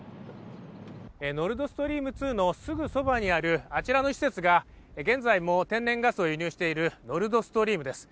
ノルドストリーム２のすぐそばにあるあちらの施設が現在も天然ガスを輸入しているノルドストリームです